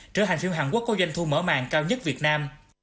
trở thành phiếu hàn quốc có doanh thu mở màng cao nhất việt nam